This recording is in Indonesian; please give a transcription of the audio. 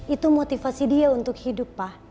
itu motivasi dia untuk hidup pak